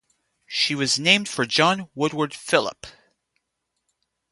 She was named for John Woodward Philip.